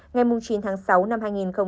ngày chín tháng sáu năm hai nghìn một mươi bốn